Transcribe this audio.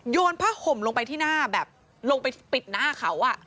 ผ้าห่มลงไปที่หน้าแบบลงไปปิดหน้าเขา